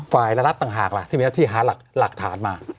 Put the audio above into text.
ฝ่ายละรัฐต่างหากล่ะที่มีหน้าที่หาหลักฐานมา